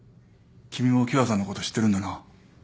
君も喜和さんのこと知ってるんだな。